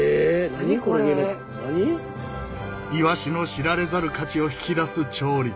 イワシの知られざる価値を引き出す調理。